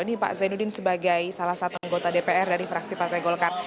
ini pak zainuddin sebagai salah satu anggota dpr dari fraksi partai golkar